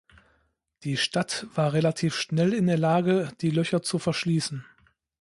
Die Stadt war relativ schnell in der Lage, die Löcher zu verschließen.